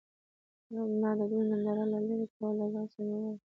ما د دوي ننداره له لرې کوه له ځان سره مې وويل.